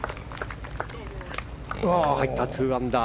入った、２アンダー。